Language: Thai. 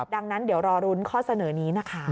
ดังนั้นเดี๋ยวรอรุ้นข้อเสนอนี้นะคะ